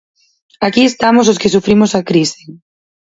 Aquí estamos os que sufrimos a crise!